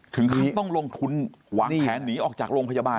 ถึงเขาต้องลงทุนหวังแขนหนีออกจากโรงพยาบาล